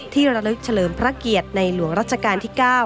ระลึกเฉลิมพระเกียรติในหลวงรัชกาลที่๙